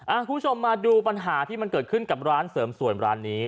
คุณผู้ชมมาดูปัญหาที่มันเกิดขึ้นกับร้านเสริมสวยร้านนี้